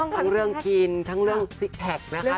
ทั้งเรื่องกินทั้งเรื่องซิกแพคนะคะ